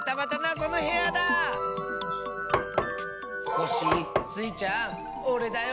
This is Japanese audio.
コッシースイちゃんおれだよ。